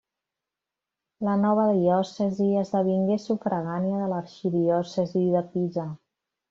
La nova diòcesi esdevingué sufragània de l'arxidiòcesi de Pisa.